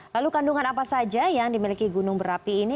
lalu kandungan apa saja yang dimiliki gunung berapi ini